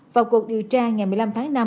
vào cuộc điều tra ngày một mươi năm tháng năm